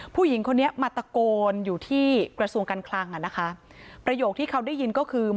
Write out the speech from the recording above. ผู้หญิงคนนี้มาตะโกนอยู่ที่กระทรวงการคลังอ่ะนะคะประโยคที่เขาได้ยินก็คือ